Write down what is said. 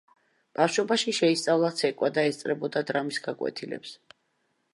ბავშვობაში შეისწავლა ცეკვა და ესწრებოდა დრამის გაკვეთილებს.